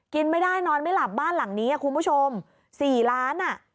กินไม่ได้นอนไม่หลับบ้านหลังนี้คุณผู้ชม๔ล้านอ่ะ